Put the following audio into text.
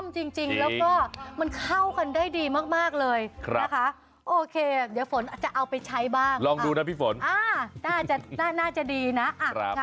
ช่วยขยับรถทียังมี๓คันบรุงเทพมหานคร